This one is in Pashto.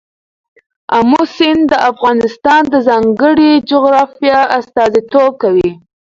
آمو سیند د افغانستان د ځانګړي جغرافیه استازیتوب کوي.